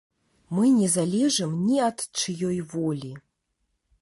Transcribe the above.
Мы не залежым ні ад чыёй волі.